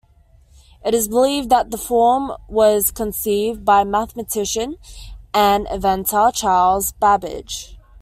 It is believed that the form was conceived by mathematician and inventor Charles Babbage.